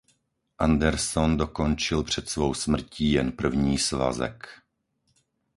Anderson dokončil před svou smrtí jen první svazek.